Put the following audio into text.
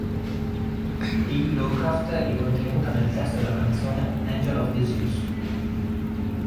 P. Lovecraft e contenuta nel testo della canzone "Angel of Disease".